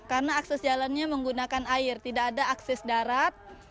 karena akses jalannya menggunakan air tidak ada akses darat